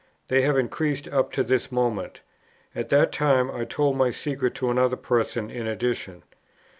They have increased up to this moment. At that time I told my secret to another person in addition.